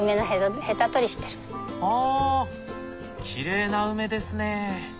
あきれいな梅ですね。